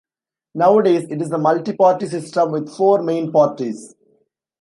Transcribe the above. Nowadays it is a multi-party system with four main parties.